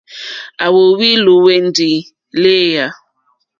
À wóhwì lùwɛ̀ndì lééyà.